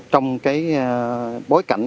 trong bối cảnh